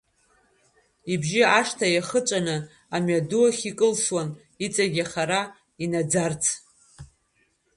Ибжьы ашҭа иахыҵәаны, амҩаду ахь икылсуан, иҵегь ахара инаӡарц.